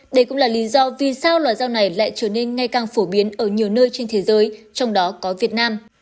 đây cũng là lý do vì sao loài rau này lại trở nên ngay càng phổ biến ở nhiều nơi trên thế giới trong đó có việt nam